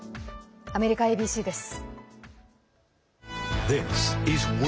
アメリカＡＢＣです。